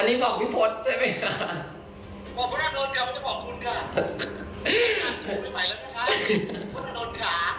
นี่ค่ะถูกไม่ไหวแล้วนะคะคุณถนนค่ะ